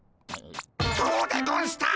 そうでゴンシた！